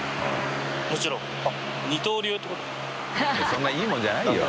修鵑いいもんじゃないよ。